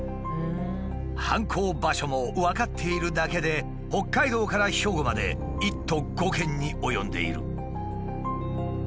犯行場所も分かっているだけで北海道から兵庫まで１都５県に及んでいる。